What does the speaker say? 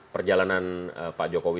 perjalanan pak jokowi